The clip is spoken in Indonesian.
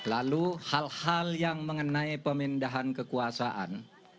lalu hal hal yang mengenai pemindahan kekuasaan